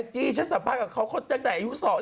จริงสัมภัยกับเขาจากจักรประอาทิตย์ใดอยู่สอง